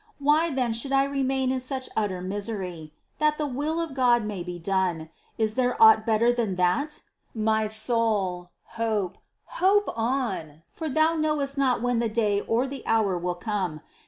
Why then should I remain in such utter misery ? That the will of God may be done :— is there aught better than that ? My soul, hope, hope on, for thou knowest not when the day or the hour will come.